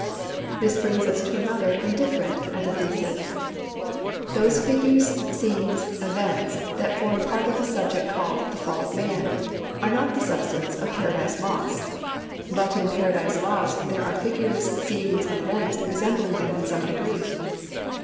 This brings us to another and different antithesis. Those figures, scenes, events, that form part of the subject called the Fall of Man, are not the substance of Paradise Lost; but in Paradise Lost there are figures, scenes, and events resembling them in some degree.